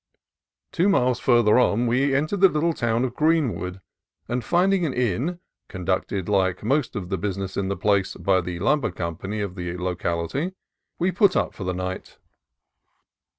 Two miles farther on, we entered the little town of Greenwood, and finding an inn (conducted, like most of the business of the place, by the lumber com pany of the locality) we put up for the night.